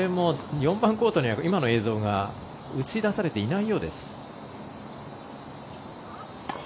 ４番コートで今の映像は映し出されていないようです。